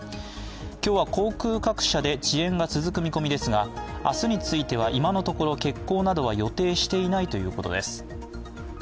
今日は航空各社で遅延が続く見込みですが明日については今のところ欠航などは予定していないということです。